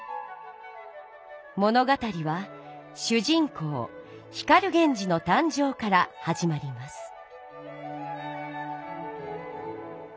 物語は主人公光源氏の誕生からはじまります。